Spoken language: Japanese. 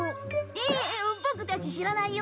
えっボクたち知らないよ。